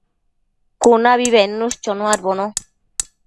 cunabi bednush chonuadbono